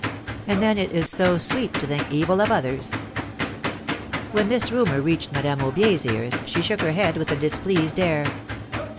And then it is so sweet to think evil of others ! When this rumor reached Madame AubiePs ears, she shook her head with a displeased air.